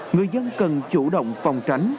người dân cần chủ động phòng tránh